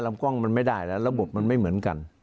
กล้องมันไม่ได้แล้วระบบมันไม่เหมือนกัน